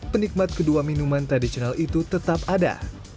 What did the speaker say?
penikmat kedua minuman tradisional itu tetap ada